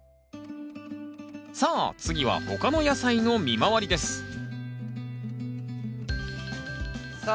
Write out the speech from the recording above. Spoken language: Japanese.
さあ次は他の野菜の見回りですさあ